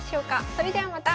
それではまた。